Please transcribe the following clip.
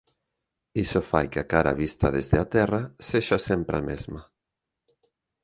Iso fai que a cara vista desde a Terra sexa sempre a mesma.